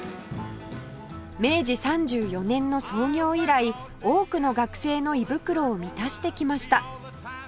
明治３４年の創業以来多くの学生の胃袋を満たしてきました